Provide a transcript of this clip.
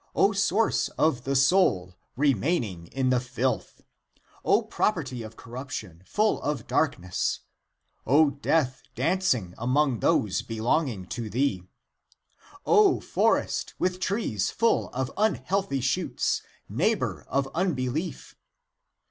O source of the soul, re maining in the filth ! O property of corruption, full of darkness ! O death, dancing among those be longing to thee ! O forest, with trees full of un healthy shoots, neighbor of unbelief!